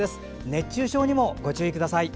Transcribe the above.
熱中症にもご注意ください。